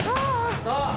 あっ。